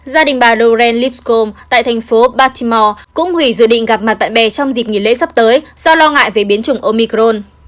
gia đình bà loren livekom tại thành phố batimore cũng hủy dự định gặp mặt bạn bè trong dịp nghỉ lễ sắp tới do lo ngại về biến chủng omicron